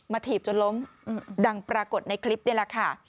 ถีบจนล้มดังปรากฏในคลิปนี่แหละค่ะ